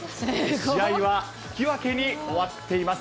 試合は引き分けに終わっています。